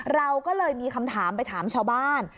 เราก็เลยมีคำถามไปถามชาวบ้าน